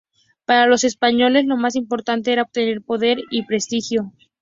Para los españoles lo más importante era obtener poder y prestigio.